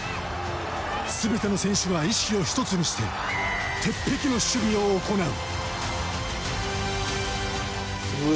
すべての選手が意識を１つにして鉄壁の守備を行う。